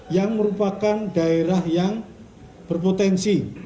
yang merupakan daerah yang berpotensi